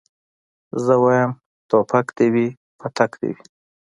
زه وايم ټوپک دي وي پتک دي وي